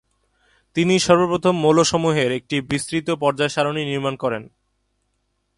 তিনিই সর্বপ্রথম মৌলসমূহের একটি বিস্তৃত পর্যায় সারণি নির্মাণ করেন।